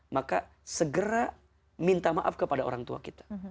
maka segera minta maaf kepada orang tua kita